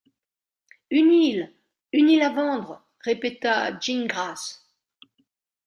Une île! une île à vendre ! répéta Gingrass.